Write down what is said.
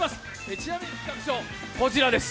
ちなみに企画書、こちらです。